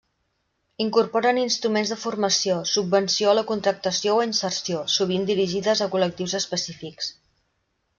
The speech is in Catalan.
Incorporen instruments de formació, subvenció a la contractació o inserció, sovint dirigides a col·lectius específics.